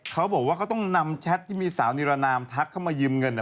เขาบอกว่าต้องนำแชทที่มีสาวนะธักขึ้นมายืมเงิน